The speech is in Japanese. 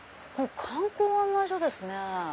ここ観光案内所ですね。